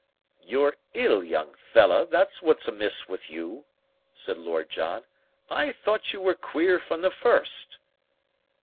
"You're ill, young fellah, that's what's amiss with you," said Lord John. "I thought you were queer from the first."